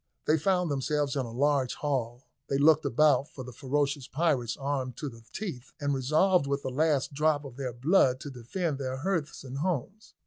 They found themselves in a large hall; they looked about for the ferocious pirates armed to the teeth, and resolved with the last drop of their blood to defend their hearths and homes.